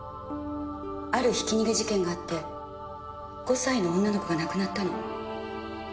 あるひき逃げ事件があって５歳の女の子が亡くなったの。